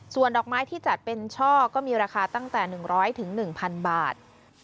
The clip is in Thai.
ส่วนดอกไม้ที่จัดเป็นช่อก็มีราคาตั้งแต่๑๐๐๑๐๐บาท